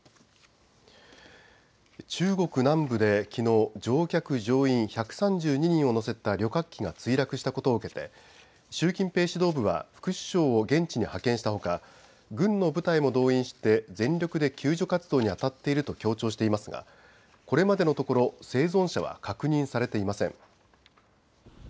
中国南部できのう、乗客乗員１３２人を乗せた旅客機が墜落したことを受けて習近平指導部は副首相を現地に派遣したほか軍の部隊も動員して全力で救助活動にあたっていると強調していますがこれまでのところ生存者は確認されていません。